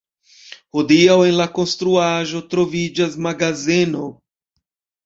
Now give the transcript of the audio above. Hodiaŭ en la konstruaĵo troviĝas magazeno.